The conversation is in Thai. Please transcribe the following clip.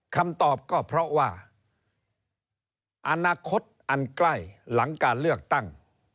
คำตอบก็เพราะว่าอนาคตอันใกล้หลังการเลือกตั้ง